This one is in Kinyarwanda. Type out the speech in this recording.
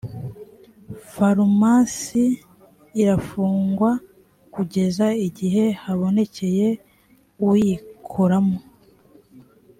farumasi irafungwa kugeza igihe habonekeye uyikoramo